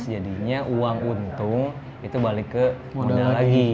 jadinya uang untung itu balik ke modal lagi